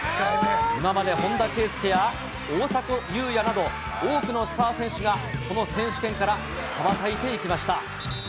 今まで本田圭佑や、大迫勇也など、多くのスター選手が、この選手権から羽ばたいていきました。